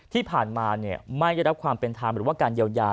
ที่ผ่านมาไม่ได้รับความเป็นธรรมหรือว่าการเยียวยา